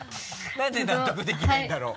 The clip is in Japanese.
なんで納得できないんだろう？